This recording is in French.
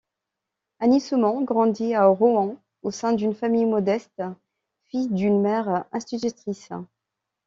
Annie Saumont grandit à Rouen au sein d'une famille modeste, fille d'une mère institutrice.